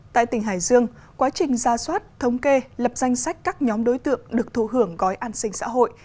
tại tỉnh hải dương quá trình ra soát thống kê lập danh sách các nhóm đối tượng được thụ hưởng gói an sinh xã hội